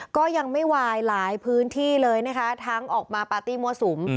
ก็ยังไม่วายหลายพื้นที่เลยนะคะทั้งออกมาปาร์ตี้มั่วสุม